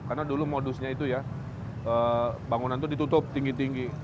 karena dulu modusnya itu ya bangunan itu ditutup tinggi tinggi